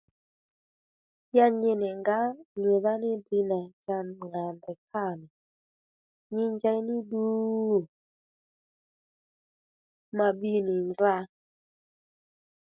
Ya nyi nì ngǎ nyùdha ní ddiy nà cha ŋà ndèy kâ nì nyi njey ní ddu ma bbi nì nza